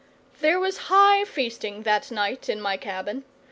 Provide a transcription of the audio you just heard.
There was high feasting that night in my cabin.